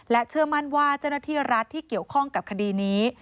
เชื่อมั่นว่าเจ้าหน้าที่รัฐที่เกี่ยวข้องกับคดีนี้